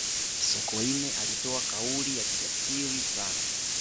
sokoine alitoa kauli ya kijasiri sana